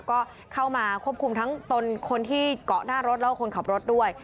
ก็เข้ามาควบคุมทั้งตนคนที่เกาะหน้ารถแล้วก็คนขับรถด้วย